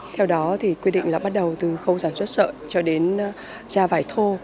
theo đó thì quy định là bắt đầu từ khâu sản xuất sợi cho đến ra vải thô